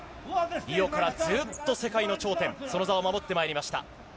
リオからずっと世界の頂点その座を守ってきました。